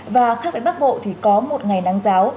và khác với bắc bộ thì có một ngày nắng giáo